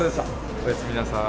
おやすみなさい。